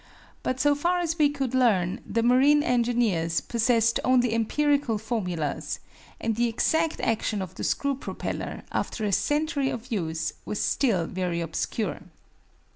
But so far as we could learn, the marine engineers possessed only empirical formulas, and the exact action of the screw propeller, after a century of use, was still very obscure.